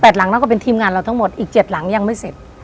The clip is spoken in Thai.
หลังแล้วก็เป็นทีมงานเราทั้งหมดอีก๗หลังยังไม่เสร็จ